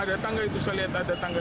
ada tangga itu saya lihat ada tangga